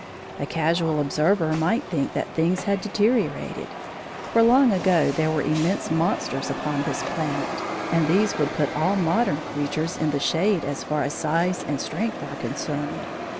A casual observer might think that things had deteriorated, for long ago there were immense monsters upon this planet, and these would put all modern creatures in the shade as far as size and strength are concerned.